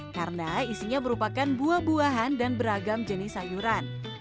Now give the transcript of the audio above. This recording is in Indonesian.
karena isinya merupakan buah buahan dan beragam jenis sayuran